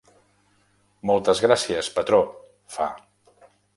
Moltes gràcies, patró —fa.